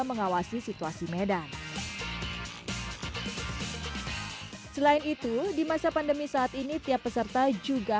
mengawasi situasi medan selain itu di masa pandemi saat ini tiap peserta juga